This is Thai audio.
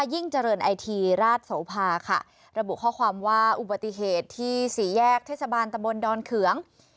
ยิ่งเจริญไอทีราชโสภาค่ะระบุข้อความว่าอุบัติเหตุที่สี่แยกเทศบาลตะบนดอนเขือง